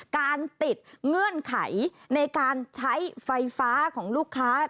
การติดเงื่อนไขในการใช้ไฟฟ้าของลูกค้า